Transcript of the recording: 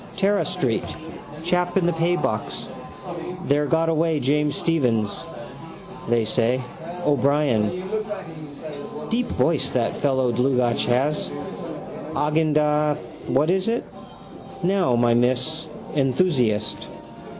Tara street. Chap in the paybox there got away James Stephens, they say. O'Brien. Deep voice that fellow Dlugacz has. Agendath what is it? Now, my miss. Enthusiast.